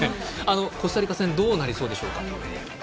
コスタリカ戦どうなりそうでしょうか。